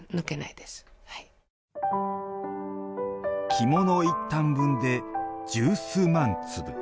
着物一反分で十数万粒。